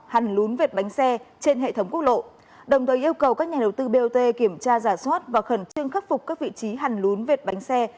hằn lún vệt bánh xe trên hệ thống quốc lộ đồng thời yêu cầu các nhà đầu tư bot kiểm tra giả soát và khẩn trương khắc phục các vị trí hàn lún vệt bánh xe